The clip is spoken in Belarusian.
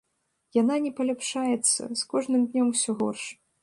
Яна не паляпшаецца, з кожным днём усё горш.